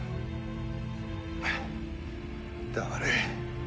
黙れ。